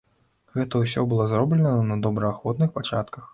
Гэта ўсё было зроблена на добраахвотных пачатках.